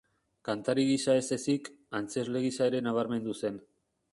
Kantari gisa ez ezik, antzezle gisa ere nabarmendu zen.